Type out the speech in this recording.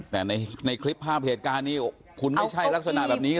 แต่ในคลิปภาพเหตุการณ์นี้คุณไม่ใช่ลักษณะแบบนี้